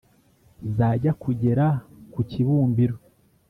zajyá kugera ku kibúmbiro